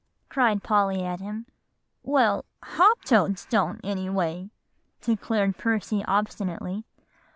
cried Polly at him. "Well, hop toads don't, anyway," declared Percy obstinately.